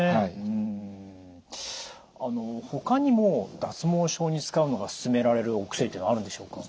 うんほかにも脱毛症に使うのが勧められるお薬っていうのはあるんでしょうか？